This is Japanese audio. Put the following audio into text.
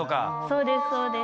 そうですそうです。